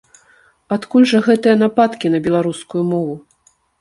Адкуль жа гэтыя нападкі на беларускую мову?